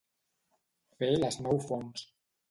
Fer les nou fonts.